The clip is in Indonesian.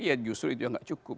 iya justru itu yang tidak cukup